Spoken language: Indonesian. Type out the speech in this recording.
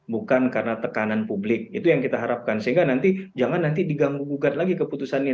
bukan karena tekanan publik itu yang kita harapkan sehingga nanti jangan nanti diganggu gugat lagi keputusannya